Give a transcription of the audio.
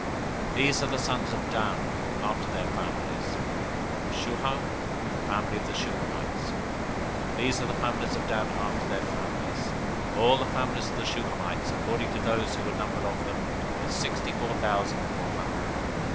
026:042 These are the sons of Dan after their families: of Shuham, the family of the Shuhamites. These are the families of Dan after their families. 026:043 All the families of the Shuhamites, according to those who were numbered of them, were sixty four thousand four hundred.